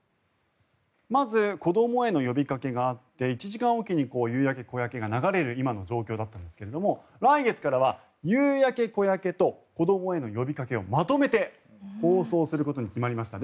まず子どもへの呼びかけがあって１時間おきに「夕焼小焼」が流れる今の状況だったんですが来月からは「夕焼小焼」と子どもへの呼びかけをまとめて放送することに決まりました。